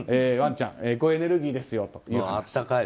ワンちゃんエコエネルギーですよと。